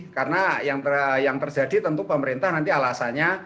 karena yang terjadi tentu pemerintah nanti alasannya